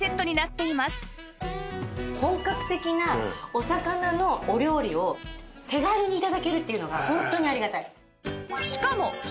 本格的なお魚のお料理を手軽に頂けるっていうのがホントにありがたい。